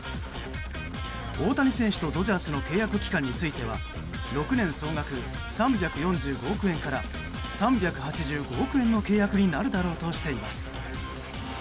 大谷選手とドジャースの契約期間については６年総額、３４５億円から３８５億円の契約になるだろうとしています。